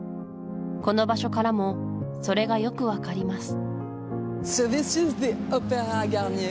この場所からもそれがよく分かります